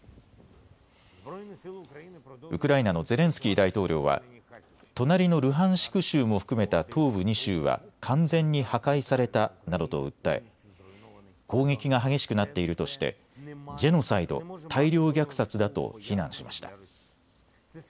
ウクライナのゼレンスキー大統領は隣のルハンシク州も含めた東部２州は完全に破壊されたなどと訴え、攻撃が激しくなっているとしてジェノサイド・大量虐殺だと非難しました。